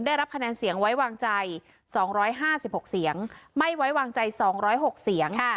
ได้รับคะแนนเสียงไว้วางใจสองร้อยห้าสิบหกเสียงไม่ไว้วางใจสองร้อยหกเสียงค่ะ